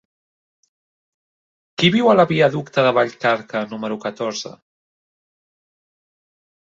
Qui viu a la viaducte de Vallcarca número catorze?